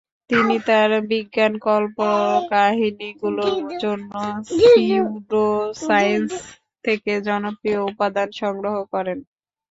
তিনি তাঁর বিজ্ঞানকল্পকাহিনীগুলোর জন্য সিউডোসায়েন্স থেকে জনপ্রিয় উপাদান সংগ্রহ করেন।